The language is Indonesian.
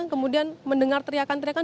kemudian mendengar teriakan teriakan